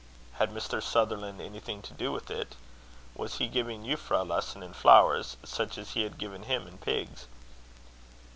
Had Mr. Sutherland anything to do with it? Was he giving Euphra a lesson in flowers such as he had given him in pigs?